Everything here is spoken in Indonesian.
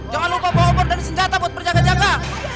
jangan lupa bawa obat dan senjata bud perjaga jaga